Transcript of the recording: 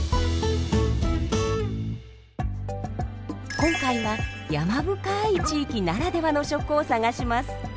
今回は山深い地域ならではの食を探します。